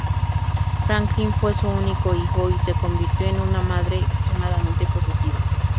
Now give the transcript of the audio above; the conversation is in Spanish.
Franklin fue su único hijo, y se convirtió en una madre extremadamente posesiva.